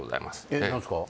えっ何すか？